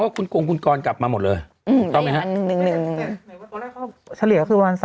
ว่าคุณกรคุณกรกลับมาหมดเลยอืมอันนึงเฉลี่ยคือว่า๓